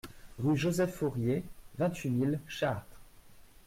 Rue Joseph Fourier, vingt-huit mille Chartres